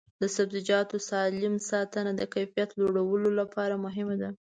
د سبزیجاتو سالم ساتنه د کیفیت لوړولو لپاره مهمه ده.